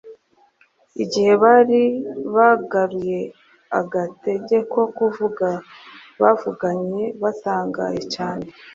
igihe bari bagaruye agatege ko kuvuga, bavuganye batangaye cyane